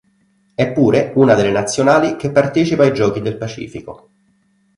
È pure una della nazionali che partecipa ai Giochi del Pacifico.